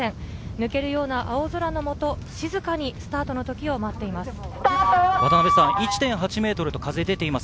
抜けるような青空の下、静かにスタートの時を待っています。